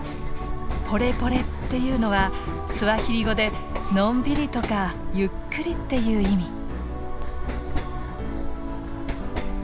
「ポレポレ」っていうのはスワヒリ語でのんびりとかゆっくりっていう意味。